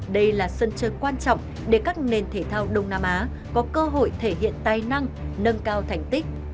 đây là sân chơi quan trọng để các nền thể thao đông nam á có cơ hội thể hiện tài năng nâng cao thành tích